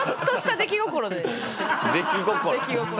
出来心で。